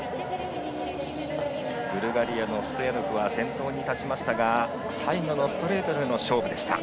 ブルガリアのストヤノフは先頭に立ちましたが最後のストレートの勝負でした。